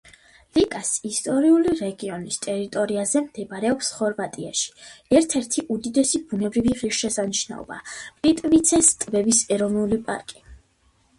ლიკას ისტორიული რეგიონის ტერიტორიაზე მდებარეობს ხორვატიაში ერთ-ერთი უდიდესი ბუნებრივი ღირსშესანიშნაობა პლიტვიცეს ტბების ეროვნული პარკი.